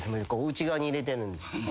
内側に入れてるんで。